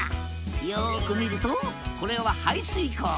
よく見るとこれは排水溝。